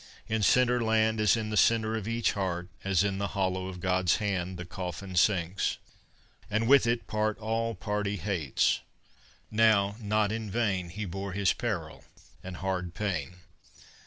In centre land, As in the centre of each heart, As in the hollow of God's hand, The coffin sinks. And with it part All party hates! Now, not in vain He bore his peril and hard pain.